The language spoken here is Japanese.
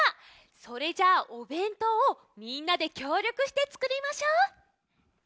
それじゃ「おべんとう」をみんなできょうりょくしてつくりましょう！